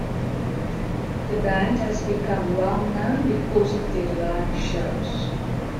The band has become well known because of their live shows.